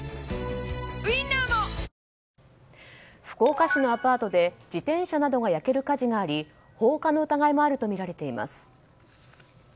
福岡市のアパートで自転車などが焼ける火事があり放火の疑いもあるとみられています。